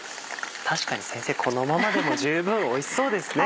確かに先生このままでも十分おいしそうですね。